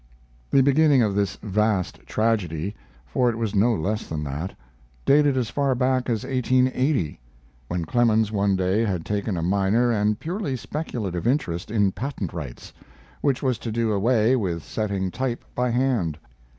The beginning of this vast tragedy (for it was no less than that) dated as far back as 1880, when Clemens one day had taken a minor and purely speculative interest in patent rights, which was to do away with setting type by hand.